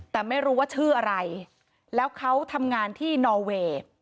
แต่ไม่รู้ว่าชื่ออะไรแล้วเขาทำงานที่นอเวย์